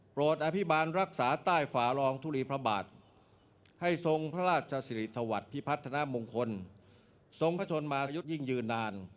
รออภิบาลรักษาใต้ฝารองทุลีพระบาทให้ทรงพระราชสิริสวัสดิ์พิพัฒนามงคลทรงพระชนมายุทธยิ่งยืนนาน